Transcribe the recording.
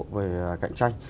về cạnh tranh